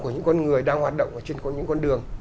những con người đang hoạt động trên những con đường